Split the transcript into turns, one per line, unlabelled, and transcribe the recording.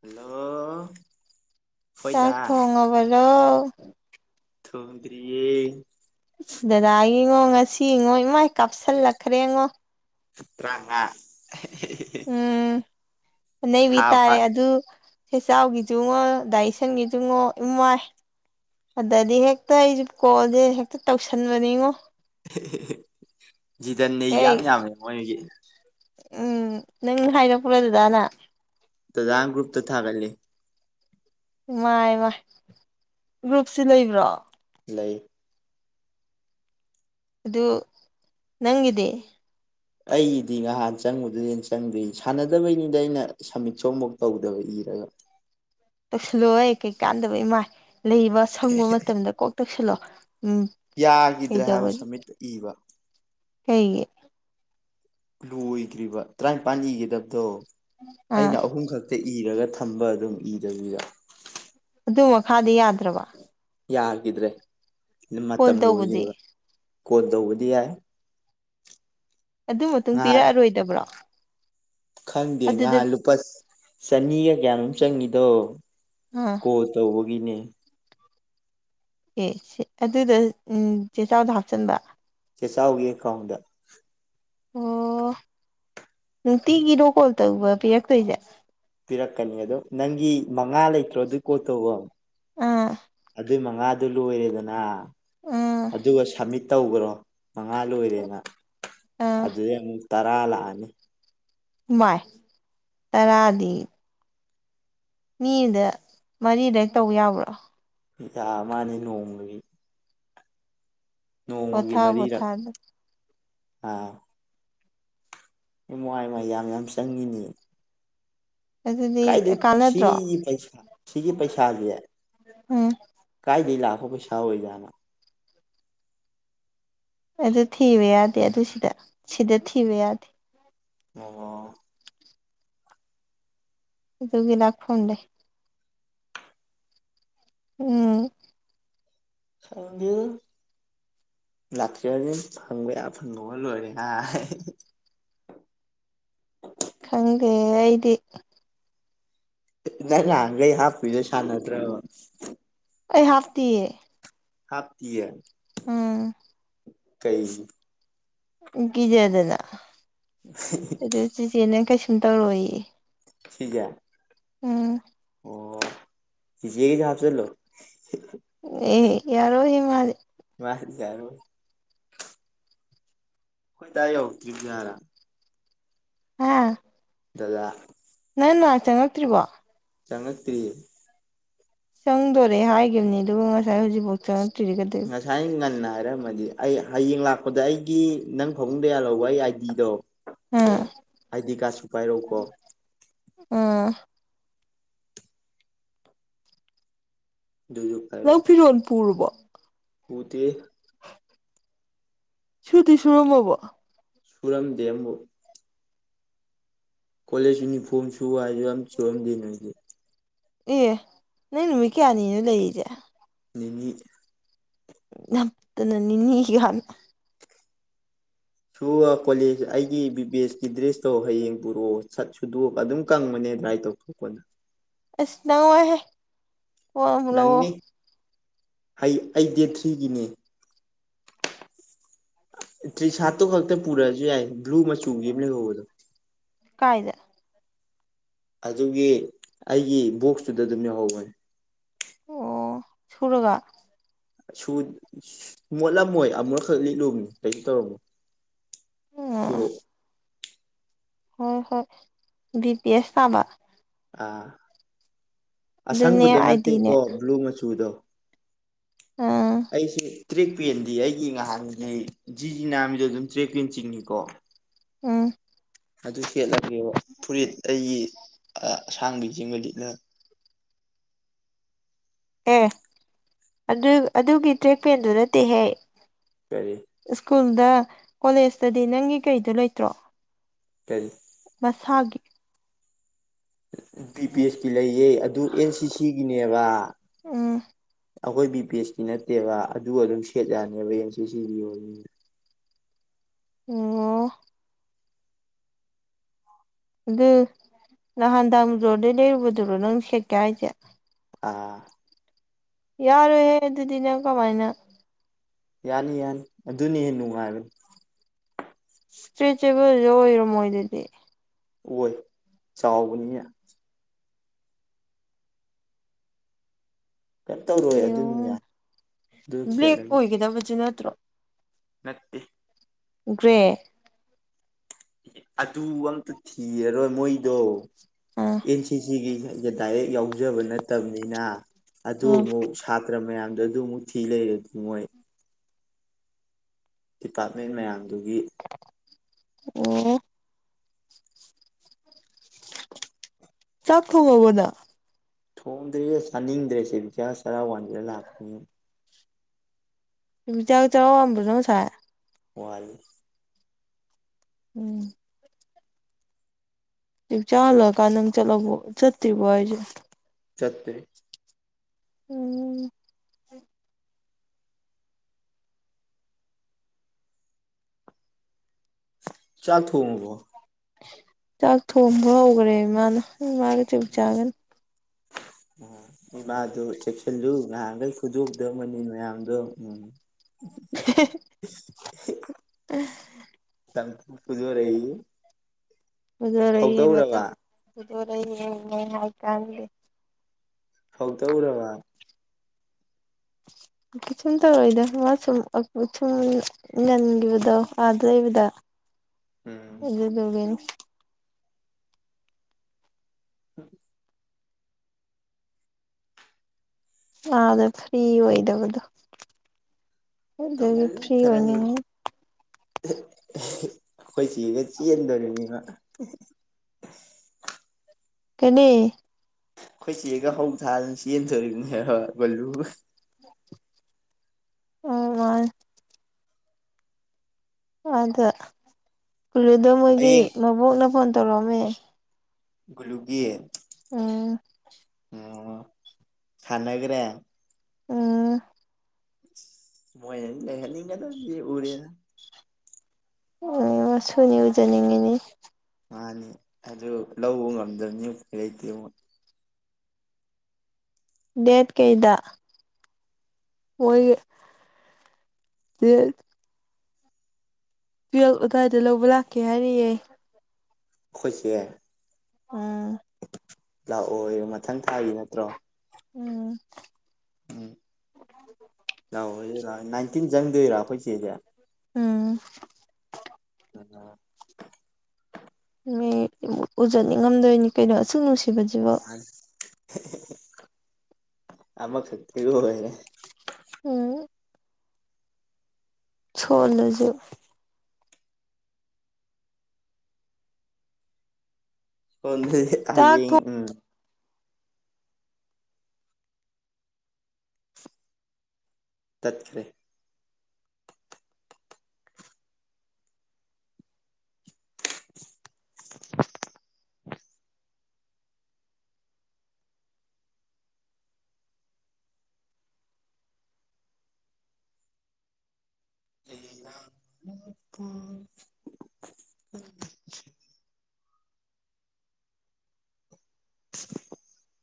hello ꯍꯣꯏꯗ
ꯆꯥꯛ ꯊꯣꯡꯉꯕꯗꯣ
ꯊꯣꯗꯔꯤꯑꯌꯦ
ꯑꯁ ꯗꯗꯥ ꯌꯦꯉꯣ ꯉꯁꯤ ꯏꯉꯣ ꯏꯃꯥꯏ ꯀꯥꯞꯁꯤꯜꯂꯛꯈ꯭ꯔꯦ ꯌꯦꯉꯣ
ꯈꯠꯇꯥꯉ
ꯅꯩꯕꯤ ꯇꯥꯔꯦ ꯑꯗꯨ ꯁꯦꯆꯥꯎꯒꯤꯖꯉꯣ ꯗꯥꯏꯁꯪꯒꯤꯖꯉꯣ ꯏꯃꯥꯏ ꯑꯗꯗꯤ ꯍꯦꯛꯇ ꯑꯩꯁꯨ ꯀꯣꯜꯁꯦ ꯍꯦꯛꯇ ꯇꯧꯁꯟꯕꯅꯤꯉꯣ
ꯖꯤꯇꯟꯅꯤ ꯌꯥꯝ
ꯍꯦꯛ
ꯌꯥꯝꯃꯦ ꯃꯣꯏꯒꯤ
ꯎꯝ ꯅꯪ ꯍꯥꯏꯔꯄ꯭ꯔ ꯑꯗꯨꯗꯥꯅ
ꯑꯗꯨꯗꯒ꯭ꯔꯨꯞꯇ ꯊꯥꯒꯦ
ꯃꯥꯏ ꯃꯥꯥꯏ ꯒ꯭ꯔꯨꯞꯁꯤ ꯂꯩꯕ꯭ꯔꯣ
ꯂꯩ
ꯑꯗꯨꯗꯨ ꯅꯪꯗ
ꯑꯩꯗꯤ ꯅꯍꯥꯟ ꯆꯪꯉꯨꯗꯅ ꯆꯪꯗꯣꯏ ꯁꯥꯟꯅꯗꯕꯩꯅꯤꯗ ꯑꯩꯅ ꯁꯃꯤꯠ ꯁꯣꯐꯛ ꯇꯧꯗꯕ ꯏ ꯔ
ꯇꯧꯁꯜꯂꯣ ꯑꯩ ꯀꯩꯀꯥꯟꯗꯕ ꯏꯃꯥꯏ ꯂꯩꯕ ꯁꯪꯕ ꯃꯇꯝꯗ ꯀꯣꯛ ꯇꯧꯁꯜꯂꯣ ꯎꯝ
ꯌꯥꯈꯤꯗ꯭ꯔꯦ ꯍꯥꯏꯕ ꯁꯃꯤꯠꯇ ꯏꯕ
ꯍꯌꯦ
ꯂꯣꯏꯈ꯭ꯔꯤꯕ ꯇꯔꯥꯅꯤꯄꯥꯥꯟ ꯏꯒꯗꯕꯗꯣ
ꯑꯥ
ꯑꯩꯅ ꯑꯍꯨꯝ ꯈꯛꯇ ꯏꯔꯒ ꯊꯝꯕ ꯑꯗꯨꯝ ꯏꯗꯕꯤꯗ
ꯑꯗꯨ ꯃꯈꯥꯗꯤ ꯌꯥꯗ꯭ꯔꯕ
ꯌꯥꯈꯤꯗ꯭ꯔꯦ
ꯀꯣꯜ
ꯃꯇꯝ
ꯇꯧꯕꯗꯤ
ꯂꯣꯏꯈꯔꯤꯕ ꯀꯣꯟꯣꯟ ꯇꯧꯕꯗꯤ ꯌꯥꯏ
ꯑꯗꯨ ꯃꯇꯨꯡ
ꯉꯍꯥꯟ
ꯄꯤꯔꯛꯑꯔꯣꯏꯗꯕ꯭ꯔꯣ
ꯈꯪꯗꯦ
ꯑꯗꯨꯗ
ꯉꯍꯥꯟ ꯂꯨꯄꯥ ꯆꯅꯤꯒ ꯀꯌꯥꯃꯨꯛ ꯆꯪꯉꯤꯗꯣ
ꯑꯥ
ꯀꯣ ꯇꯧꯕꯒꯤꯅꯦ
ꯑꯦ ꯁꯤ ꯑꯗꯨꯗ ꯎꯝ ꯆꯦꯆꯥꯎꯗ ꯍꯥꯞꯆꯤꯟꯕ
ꯆꯦ ꯆꯥꯎꯥꯎꯒꯤ ꯈꯣꯡꯗ
ꯑꯣ ꯅꯨꯡꯇꯤꯒꯤ ꯔꯣꯀꯣꯜ ꯇꯧꯕ ꯄꯤꯔꯛꯇꯣꯏꯁꯦ
ꯄꯤꯔꯛꯀꯅꯤ ꯑꯗꯣ ꯅꯪꯒꯤ ꯃꯉꯥ ꯂꯩꯇ꯭ꯔꯣ ꯑꯗꯨ ꯀꯣꯠꯇꯧꯕ
ꯑꯥ
ꯑꯗꯨꯏ ꯃꯉ ꯃꯉꯥꯗꯨ ꯂꯣꯏꯔꯦꯗꯅ
ꯑꯥ
ꯑꯗꯨꯒ ꯁꯝꯃꯤꯠ ꯇꯈ꯭ꯔꯣ ꯃꯉꯥ ꯂꯣꯏꯔꯦꯅ
ꯑꯥ
ꯑꯗꯨꯗꯩ ꯑꯃꯨꯛ ꯇꯔꯥ ꯂꯥꯛꯑꯅꯤ
ꯚꯏ ꯇꯔꯥꯗꯤ ꯃꯤꯗ ꯃꯔꯤꯗꯦꯛ ꯇꯧꯕ ꯌꯥꯕ꯭ꯔꯥ
ꯌꯥꯝ ꯃꯥꯅꯤ ꯅꯣꯡꯃꯒꯤ ꯅꯣꯡꯃꯒꯤ
ꯄꯣꯊꯥ
ꯃꯔꯤꯔꯛ
ꯄꯣꯊꯥꯗ
ꯑꯥ ꯏꯃ ꯑꯥꯏ ꯃꯥꯏ ꯌꯥꯝ ꯌꯥꯝ ꯆꯪꯉꯤꯅꯤ
ꯑꯗꯨꯗꯤ
ꯀꯥꯏꯗ
ꯀꯥꯟꯅꯗ꯭ꯔꯣ
ꯁꯤꯤ ꯄꯩꯁꯥ ꯁꯤꯤꯒꯤ ꯄꯩꯁꯥ ꯍꯥꯏꯒ
ꯎꯝ
ꯀꯥꯏꯗ ꯂ ꯑꯣ ꯄꯩꯁꯥ ꯑꯣꯏꯣꯏ ꯌꯥꯅ
ꯑꯗꯨ ꯊꯤꯕ ꯌꯥꯗꯦ ꯑꯗꯨ ꯁꯤꯗ ꯁꯤꯗ ꯊꯤꯕ ꯌꯥꯗꯦ
ꯑꯣ
ꯇꯒꯤ ꯂꯥꯛ ꯐꯣꯟꯗꯦ ꯎꯝ
ꯁꯪꯕꯤꯨ ꯂꯥꯛꯀꯔꯅꯦꯦ ꯐꯪꯕ ꯌꯥ ꯐꯪꯉꯣꯒ ꯂꯣꯏꯔꯦ ꯍꯥꯏ
ꯈꯪꯗꯦ ꯑꯩꯗꯤ
ꯅ ꯅ ꯑꯒ ꯍꯥꯞꯤꯗ ꯁꯅꯠꯇ꯭ꯔ
ꯑꯩ ꯍꯥꯞꯇꯤꯌꯦ
ꯍꯥꯞꯇꯤ
ꯎꯝ
ꯀꯩꯁꯤ
ꯀꯤꯖꯗꯅ ꯑꯗꯨ ꯆꯦꯆꯦ ꯅ ꯀꯩꯁꯨꯝ ꯇꯧꯔꯣꯏꯌꯦ
ꯁꯤꯖꯦ
ꯎꯝ
ꯑꯣ ꯆꯤꯖꯦꯒꯤꯁꯨ ꯍꯥꯞꯆꯜꯂꯣ
ꯑꯦ ꯌꯥꯔꯣꯏ ꯍꯦ ꯃꯥꯗꯤ
ꯃꯥꯗꯤ ꯌꯥꯔꯣꯏ ꯈꯣꯏ ꯗꯥ ꯌꯧꯔꯛꯇ꯭ꯔꯤꯕꯖꯔ
ꯑꯥ
ꯗꯗꯥ
ꯅꯪꯅꯥꯛ ꯆꯪꯉꯛꯇ꯭ꯔꯤ ꯕꯣ
ꯆꯪꯉꯛꯇꯦ
ꯆꯪꯗꯣꯔꯦ ꯍꯥꯏꯒꯤꯝꯅꯤ ꯑꯗꯨꯕꯨ ꯉꯁꯥꯏ ꯍꯧꯖꯤꯛ ꯐꯥꯎ ꯆꯉꯛ
ꯉꯁꯥꯏꯉꯟꯅ ꯍꯥꯏꯔꯝꯃꯗꯤ ꯑꯩ ꯍꯌꯦꯡ ꯂꯥꯛꯄꯗ ꯑꯩꯒꯤ ꯅꯪ ꯐꯕꯨꯡꯗ ꯌꯥꯜꯍꯧꯕ ꯑꯩ ꯑꯥꯏꯗꯤꯗꯣ
ꯑꯥ
ꯑꯥꯏꯗꯤ ꯀꯥꯔꯗꯁꯨ ꯄꯥꯏꯔꯛꯎꯀꯣ
ꯑꯥ ꯅꯪ ꯐꯤꯔꯣꯟ ꯄꯨꯔꯨꯕꯣ
ꯄꯨꯇꯦ
ꯁꯨꯇꯤ ꯁꯨꯔꯝꯃꯕꯣ
ꯁꯨꯔꯝ ꯗꯦ ꯑꯝꯕꯨꯛ ꯀꯣꯂꯦꯖ ꯌꯨꯅꯤꯐꯣꯝ ꯁꯨ ꯍꯥꯏꯁꯨ ꯑꯝ ꯁꯨꯔꯝꯗꯦ ꯅꯣꯏꯗꯤ
ꯑꯦ ꯅꯪ ꯅꯨꯃꯤꯠ ꯀꯌꯥꯅꯤꯅꯣ ꯂꯩ ꯏꯖꯦ
ꯅꯤꯅꯤ
ꯅꯞꯇꯅ ꯅꯤꯅꯤ ꯒꯅ
ꯁꯨ ꯀꯣꯂꯦꯖ ꯑꯩꯒꯤ ꯕꯤꯕꯦꯁꯀꯤ ꯗ꯭ꯔꯦꯁꯇꯣ ꯍꯌꯦꯡ ꯄꯨꯔꯛꯑꯣ ꯁꯠ ꯁꯨꯗꯣꯛꯑꯒ ꯑꯗꯨꯝ ꯀꯪꯕꯅꯦ ꯗꯔꯥꯏ ꯇꯧꯊꯣꯛꯄꯅ
ꯑꯁ ꯅꯪꯉꯣꯏꯍꯦ ꯀꯣꯟꯅ ꯑꯃꯨꯛ ꯂꯧꯑꯣ
ꯅꯪꯅꯤ ꯍꯩ ꯑꯩ ꯗꯦꯠ ꯊ꯭ꯔꯤꯒꯤꯅꯦ ꯇꯔꯤ ꯁꯥꯇꯇꯨ ꯈꯛꯇ ꯄꯨꯔꯁꯨ ꯌꯥꯏ ꯕꯂꯨ ꯃꯆꯨꯒꯤ ꯑꯝ ꯂꯩꯍꯧꯕꯗꯣ
ꯀꯥꯏꯗ
ꯑꯗꯨꯒꯤ ꯑꯩꯒꯤ ꯕꯣꯛꯁꯇꯨꯗ ꯑꯗꯨꯝ ꯌꯥꯎꯍꯧꯕꯅꯤ
ꯑꯣ ꯁꯨꯨꯔꯒ
ꯁꯨ ꯃꯣꯠꯂꯝꯃꯣꯏ ꯑꯃꯨꯔꯛ ꯈꯛ ꯂꯤꯠꯂꯨꯕꯅꯤ ꯀꯩꯁꯨ ꯇꯧꯔꯝꯃꯣ
ꯎꯝ
ꯄꯨꯔꯣ
ꯍꯣꯏ ꯍꯣꯏ ꯕꯤ ꯄꯤ ꯑꯦꯁ ꯊꯥꯕ
ꯑꯥ
ꯑꯗꯨꯅꯦ
ꯑꯁꯪꯕꯗꯣ ꯅꯠꯇꯦꯀꯣ
ꯑꯥꯏꯗꯤꯅꯦ
ꯕ꯭ꯂꯨ ꯃꯆꯨꯗꯣ
ꯎꯝ
ꯑꯩꯁꯤ ꯇ꯭ꯔꯤꯛ ꯄꯦꯟꯗꯤ ꯑꯩꯒꯤ ꯉꯍꯥꯟꯒꯤ ꯖꯤꯖꯤꯅꯥꯟꯕꯤꯗꯣ ꯑꯗꯨꯝ ꯇ꯭ꯔꯦꯛ ꯄꯦꯟ ꯆꯤꯡꯉꯤꯀꯣ
ꯎꯝ
ꯑꯗꯨ ꯁꯦꯠꯂꯒꯦ ꯐꯨꯔꯤꯠ ꯑꯩ ꯑ ꯑꯁꯥꯡꯕꯤ ꯖꯤꯡꯒ ꯂꯤꯠꯅ
ꯑꯦ ꯑꯗꯨ ꯑꯗꯨꯒꯤ ꯇ꯭ꯔꯦꯛꯄꯦꯟꯗꯨ ꯅꯠꯇꯦꯍꯦ
ꯀꯔꯤ
ꯁ꯭ꯀꯨꯜꯗ ꯀꯣꯂꯦꯖꯇꯗꯤ ꯅꯪꯒꯤ ꯀꯩꯗꯣ ꯂꯩꯇ꯭ꯔꯣ
ꯀꯔꯤ
ꯅꯁꯥꯒꯤ
ꯕꯤ ꯄꯤ ꯑꯦꯁ ꯀꯤ ꯂꯩꯌꯦ ꯑꯗꯨ ꯑꯦꯟ ꯁꯤꯁꯤꯒꯤꯅꯦꯕ
ꯎꯝ
ꯑꯩꯈꯣꯏ ꯕꯤ ꯄꯤ ꯑꯦꯁꯀꯤ ꯅꯠꯇꯦꯕ ꯑꯗꯨꯒ ꯑꯗꯨꯝ ꯁꯦꯠ ꯌꯥꯅꯦꯕ ꯑꯦꯅ ꯁꯤ ꯁꯤ ꯑꯣꯅꯤ
ꯑꯣ ꯑꯗꯨ ꯅꯍꯥꯟ ꯇꯃꯨꯗꯔꯣꯗꯩ ꯂꯩꯔꯨꯕꯗꯨꯔꯣ ꯅꯪ ꯁꯦꯠꯀꯦ ꯍꯥꯏꯖꯦ
ꯑꯥ
ꯌꯥꯔꯣ ꯍꯦ ꯑꯗꯨꯗꯤꯅ ꯀꯃꯥꯏꯅ
ꯌꯥꯅꯤ ꯌꯥꯅꯤ ꯑꯗꯨꯅꯤ ꯍꯦꯟꯅ ꯅꯨꯡꯉꯥꯏꯕꯅꯤ
ꯏꯁꯇ꯭ꯔꯦꯆꯦꯕꯜꯗ ꯑꯣꯏꯔꯣ ꯃꯣꯏꯗꯗꯤ
ꯑꯣꯏꯣꯏ ꯆꯥꯎꯕꯅꯤꯌꯦ ꯀꯩꯝ ꯇꯧꯔꯣꯏ
ꯑꯦ
ꯑꯗꯨꯅ ꯌꯥꯏ ꯑꯗꯨ
ꯕ꯭ꯂꯦꯛ ꯑꯣꯏꯒꯗꯕꯁꯨ ꯅꯠꯇ꯭ꯔꯣ
ꯃꯦꯠꯇ
ꯒ꯭ꯔꯦ
ꯑꯗꯨ ꯑꯝꯇ ꯊꯤꯔꯔꯣꯏ ꯃꯣꯏꯗꯣ
ꯑꯥ
ꯑꯦꯟ ꯁꯤ ꯁꯤꯒꯤ ꯗꯥꯏꯔꯦꯛ ꯌꯥꯎꯖꯕ ꯅꯠꯇꯕꯅꯤꯅ ꯑꯗꯨ
ꯑꯥ
ꯑꯃꯨꯛ ꯁꯥꯇ꯭ꯔ ꯃꯌꯥꯝꯗꯣ ꯑꯗꯨ ꯑꯃꯨꯛ ꯐꯤ ꯂꯩꯔꯗꯤ ꯃꯣꯏ ꯗꯤꯄꯥꯔꯠꯃꯦꯟ ꯃꯌꯥꯝꯗꯨꯒꯤ
ꯑꯣ ꯆꯥꯛꯈ ꯑꯣꯗ
ꯊꯣꯡꯗ꯭ꯔꯦ ꯆꯥꯅꯤꯡꯗ꯭ꯔꯦꯁꯦꯖ ꯆꯔꯥꯎ ꯋꯥꯁꯤꯔ ꯂꯥꯛꯄꯅꯤ
ꯆꯥꯛ ꯆꯔꯝꯕ꯭ꯔꯣ ꯅꯪ ꯁꯥꯥꯏ
ꯋꯥꯂꯤ
ꯎꯝ ꯆꯥꯍꯜꯂꯀꯥꯟꯗꯪ ꯆꯠꯂ ꯆꯠꯇ꯭ꯔꯤꯕꯣ ꯍꯥꯏꯁꯦ
ꯆꯠꯇꯦ
ꯎꯝ
ꯆ ꯊꯣꯡꯕꯣ
ꯆꯥꯛ ꯊꯣꯡꯕ ꯍꯧꯈ꯭ꯔꯦ ꯏꯃꯥꯅ ꯏ ꯃꯥꯒ ꯆꯞ ꯆꯥꯒꯅꯤ [inaudible]
ꯎꯝ ꯏꯃꯥꯗꯣ ꯆꯦꯛꯁꯤꯜꯂꯨ ꯉꯥꯏꯍꯥꯟꯈꯩ ꯈꯨꯨꯗꯣꯛꯗ ꯃꯅꯤ ꯃꯌꯥꯝꯗꯣ ꯎꯝ
ꯑ
ꯇ ꯄꯨꯗꯨ ꯑꯣꯏꯔ ꯑꯩ
ꯈꯨꯖꯣꯔ ꯃꯖꯔ ꯍꯏ ꯀ
ꯐꯥꯎ ꯇ ꯎꯔ ꯃꯥ
[inaudible] ꯁꯨꯝ ꯇꯧꯔꯛꯏꯗꯣ ꯃꯥ ꯁꯨꯝ ꯁꯨꯝ ꯉꯟꯈꯤꯕꯗꯣ ꯑꯥꯗ ꯂꯩꯕꯗ
ꯎꯝ
ꯑꯗꯨ ꯂꯒꯅꯤ
ꯎ
ꯑꯥꯗ ꯐ꯭ꯔꯤ ꯑꯣꯏꯗꯕꯗꯨ
ꯇꯧ ꯈꯔꯦ ꯑꯩꯈꯣꯏ ꯆꯦꯒ ꯆꯦꯟꯗꯣꯔꯤꯕꯅꯤꯅ
ꯀꯅꯤ
ꯑꯩꯈꯣꯏ ꯆꯦꯒ ꯍꯧ ꯊꯥꯜꯂ ꯆꯦꯟꯗꯣꯔꯤꯕꯅꯦ ꯍꯣꯏ ꯂꯨ
ꯑ ꯑꯗ ꯀꯨꯂꯨꯗꯣ ꯃꯣꯏꯒꯤ
ꯍꯌꯦꯡ
ꯃꯕꯣꯛꯅ ꯐꯣꯟ ꯇꯧꯔꯛꯑꯝꯃꯦ
ꯂꯨꯒ
ꯎꯝ
ꯑ ꯊꯅꯒꯔꯦ
ꯑꯝ
ꯃꯣꯏ ꯂꯩꯅꯤꯡꯉꯗ ꯎꯔꯦ
ꯑꯣ ꯁꯨꯅꯤ ꯎꯖꯅꯤꯡꯉꯤꯅꯦ
ꯃꯥꯅꯤ ꯑꯗꯨ ꯂꯧꯕ ꯉꯝꯗꯕꯅꯤ ꯀꯩ ꯂꯩꯇꯦ ꯑꯃ
ꯗꯦꯠ ꯀꯩꯗ ꯑꯣꯏꯣꯏ ꯌꯦ ꯇꯨꯌꯦꯜꯞ ꯑꯗꯨ꯭ꯏꯗ ꯂꯧꯕ ꯂꯥꯛꯀꯦ ꯍꯥꯏꯔꯤꯌꯦ
[unintelligible] ꯏꯁꯦ
ꯎꯝ
ꯂꯥꯛꯑꯣ ꯃꯊꯪ ꯊꯥꯒꯤ ꯅꯠꯇ꯭ꯔꯣ
ꯎꯝ
ꯎꯝ ꯂꯥꯛꯑꯣ ꯂꯥꯛꯑꯣ ꯅꯥꯏꯟꯇꯤꯟ ꯆꯪꯗꯣꯏꯔꯥ ꯑꯩꯈꯣꯏ ꯆꯦꯁꯦ
ꯎꯝ
ꯎ
ꯃꯤ ꯎꯖꯅꯤꯡꯉꯝꯗꯣꯏꯅꯤ ꯀꯩꯅꯣ ꯑꯁꯨꯛ ꯅꯨꯡꯁꯤꯕꯁꯤꯕꯨ
ꯑꯃ ꯀꯦꯇꯔꯤ ꯍꯅꯦ
ꯎꯝ ꯁꯣꯂꯨꯁꯨ
ꯍꯟꯅ
ꯆꯥꯛ ꯊꯣꯡ
ꯍꯌꯦꯡ ꯎꯝ ꯇꯠꯈꯔꯦ [unintelligible] ꯎ ꯎ [unintelligible]